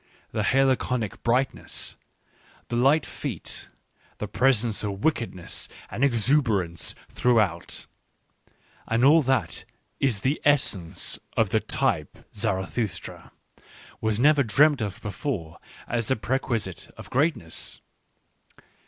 The halcyonic brightness, the light feet, the presence of wickedness and exuberance through out, and all that is the essence of the type Zara thustra, was never dreamt of before as a prerequisite of greatness.